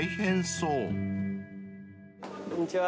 こんにちは。